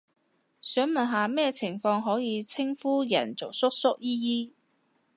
想問下咩情況可以稱呼人做叔叔姨姨？